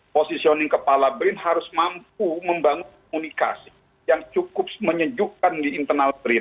positioning kepala brin harus mampu membangun komunikasi yang cukup menyejukkan di internal brin